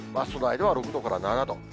その間は６度から７度。